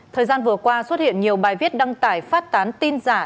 thời gian vừa qua xuất hiện nhiều bài viết đăng tải phát tán tin giả